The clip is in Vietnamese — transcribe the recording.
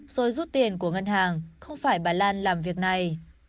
rồi rút tiền của ngân hàng không phải bà lan làm việc này